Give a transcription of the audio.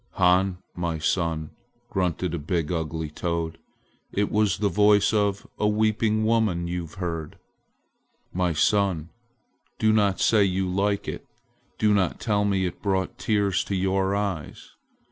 "Han, my son," grunted a big, ugly toad. "It was the voice of a weeping woman you heard. My son, do not say you like it. Do not tell me it brought tears to your eyes.